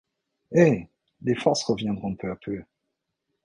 Eh! les forces reviendront peu à peu !